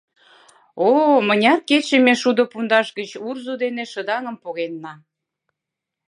О, мыняр кече ме шудо пундаш гыч урзо дене шыдаҥым погенна!..